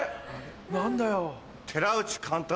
何だよ。